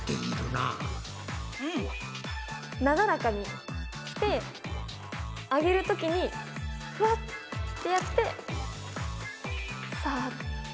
なだらかにして上げるときにふわってやってさ。